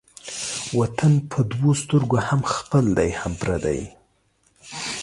وطن په دوو سترگو هم خپل دى هم پردى.